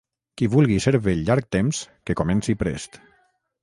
Qui vulgui ser vell llarg temps que comenci prest.